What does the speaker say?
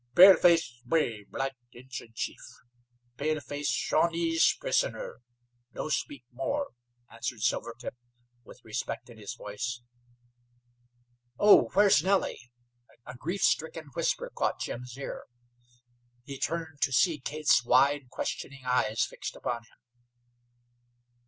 "Paleface brave like Injun chief. Paleface Shawnee's prisoner no speak more," answered Silvertip, with respect in his voice. "Oh, where's Nellie?" A grief stricken whisper caught Jim's ear. He turned to see Kate's wide, questioning eyes fixed upon him.